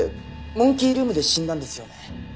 モンキールームで死んだんですよね？